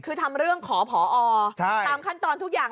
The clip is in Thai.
คือทำเรื่องขอผอตามขั้นตอนทุกอย่าง